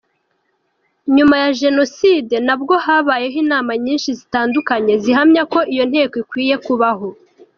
Nyuma ya Jenoside, nabwo habayeho inama nyinshi zitandukanye zihamyako iyo Nteko ikwiye kubaho.